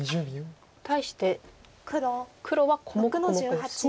対して黒は小目小目です。